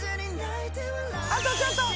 あとちょっと。